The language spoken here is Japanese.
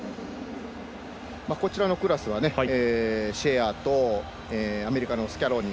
こちらのクラスはシェアとアメリカのスキャローニ。